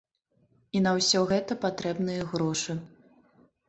І на ўсё гэта патрэбныя грошы.